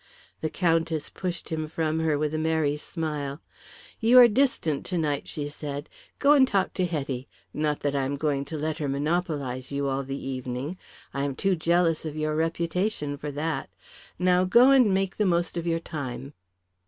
The Countess pushed him from her with a merry smile. "You are distant tonight," she said. "Go and talk to Hetty. Not that I am going to let her monopolise you all the evening. I am too jealous of your reputation for that. Now go and make the most of your time."